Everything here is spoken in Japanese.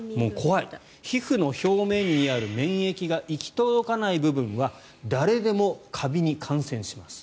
皮膚の表面にある免疫が行き届かない部分は誰でもカビに感染します。